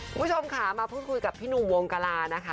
คุณผู้ชมค่ะมาพูดคุยกับพี่หนุ่มวงกลานะคะ